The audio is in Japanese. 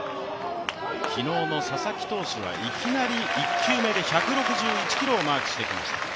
昨日の佐々木投手はいきなり１球目で１６１キロをマークしてきました。